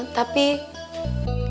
tapi kalau ketahuan sama ibu